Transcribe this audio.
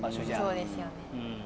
そうですよね。